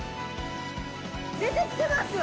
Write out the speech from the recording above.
出てきてますよ！